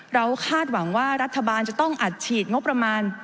คาดหวังว่ารัฐบาลจะต้องอัดฉีดงบประมาณ